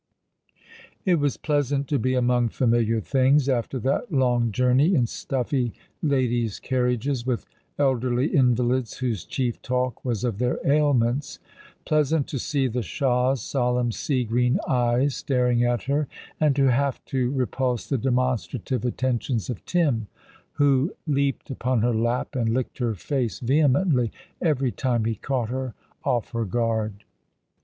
It was pleasant to be among familiar things, after that long journey in stuffy ladies' carriages, with elderly invalids, v/hose chief talk was of their ailments. Pleasant to see the Shah's solenm sea green eyes staring at her, and to have to repulse the demonstrative attentions of Tim, who leapt upon her lap and licked her face vehemently every time he caught her off her guard.